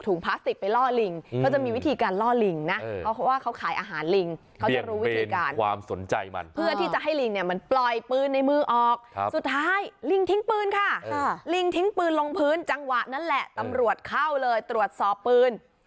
สุดท้ายลิงทิ้งปืนค่ะลิงทิ้งปืนลงพื้นจังหวะนั้นแหละตำรวจเข้าเลยตรวจสอบปืน